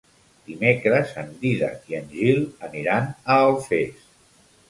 Dimecres en Dídac i en Gil aniran a Alfés.